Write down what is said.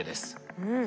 うん。